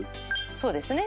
そうですね。